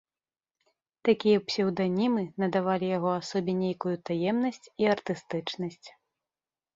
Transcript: Такія псеўданімы надавалі яго асобе нейкую таемнасць і артыстычнасць.